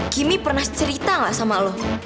kimmy pernah cerita gak sama lo